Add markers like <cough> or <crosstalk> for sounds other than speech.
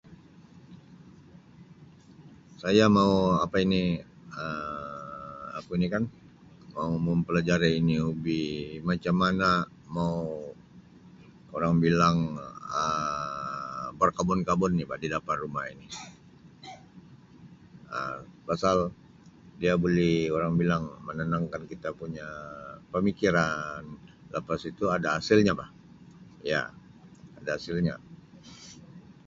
Saya mau apa ini Um apa ini kan mau mempelajari ini hobi macam mana mau orang bilang Um berkebun-kebun ini di depan rumah ini <coughs> Um pasal dia buli orang bilang menenangkan kita punya pemikiran lepas itu ada hasilnya bah ya ada hasilnya.